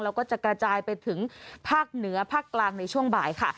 แล้วก็จะกระจายไปถึงภาคเหนือภาคกลางในช่วงบ่ายค่ะ